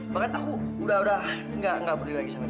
bahkan aku udah gak perlu lagi sama dia